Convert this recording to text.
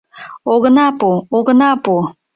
— Огына пу, огына пу!